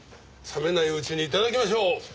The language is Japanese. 冷めないうちに頂きましょう！